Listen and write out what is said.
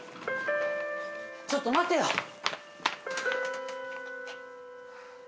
ちょっと待てよ。